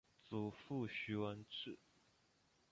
祖父徐文质。